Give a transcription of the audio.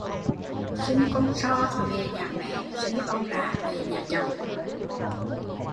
Sinh con so về nhà mẹ, sinh con rạ về nhà chồng